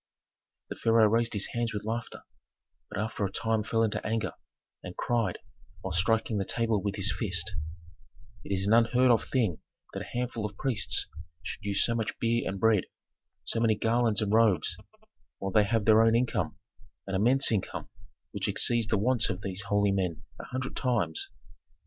The pharaoh raised his hands with laughter, but after a time fell into anger, and cried, while striking the table with his fist, "It is an unheard of thing that a handful of priests should use so much beer and bread, so many garlands and robes, while they have their own income, an immense income, which exceeds the wants of these holy men a hundred times."